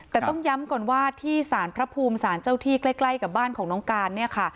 แต่ต้องย้ำก่อนว่าที่สารพระภูมิสารเจ้าที่ใกล้กับบ้านของน้องการเนี่ยค่ะ